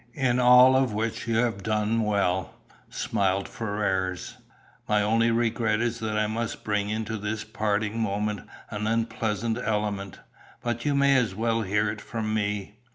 "In all of which you have done well," smiled Ferrars. "My only regret is that I must bring into this parting moment an unpleasant element, but you may as well hear it from me."